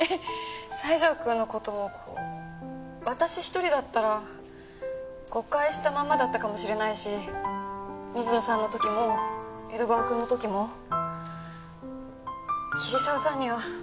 西条くんの事も私一人だったら誤解したままだったかもしれないし水野さんの時も江戸川くんの時も桐沢さんにはいつも助けられてばかりで。